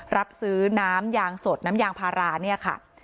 รับซื้อน้ำยางสดน้ำยางพารา